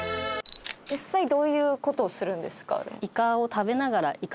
実際どういう事をするんですか？